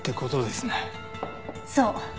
そう。